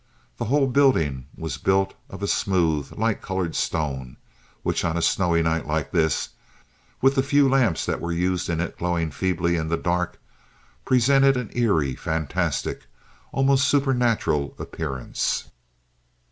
The whole building was built of a smooth, light colored stone, which on a snowy night like this, with the few lamps that were used in it glowing feebly in the dark, presented an eery, fantastic, almost supernatural appearance.